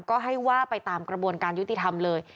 ก็ให้ว่าไปตามกระบวนการยุติธรรมเลย